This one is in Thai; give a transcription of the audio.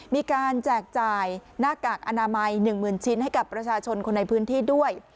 แจกจ่ายหน้ากากอนามัย๑๐๐๐ชิ้นให้กับประชาชนคนในพื้นที่ด้วย